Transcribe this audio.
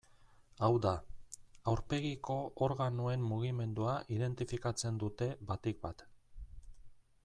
Hau da, aurpegiko organoen mugimendua identifikatzen dute batik bat.